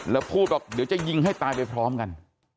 แล้วพูดบอกเดี๋ยวจะยิงให้ตายไปพร้อมกัน